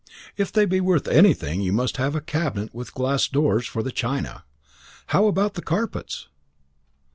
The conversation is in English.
If they be worth anything you must have a cabinet with glass doors for the china. How about the carpets?"